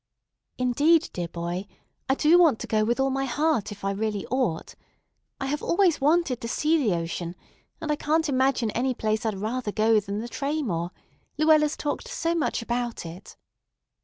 "Indeed, dear boy, I do want to go with all my heart if I really ought. I have always wanted to see the ocean, and I can't imagine any place I'd rather go than the Traymore, Luella's talked so much about it."